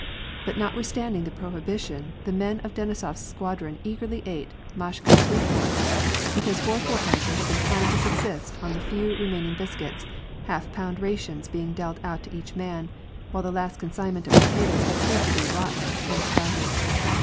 But notwithstanding the prohibition, the men of Denisof s squadron eagerly ate " Mashka's sweetwort," because for a fortnight they had been trying to subsist on the few re maining biscuits — half pound rations being dealt out to each man, while the last consignment of potatoes had proved to be rotten and sprouted.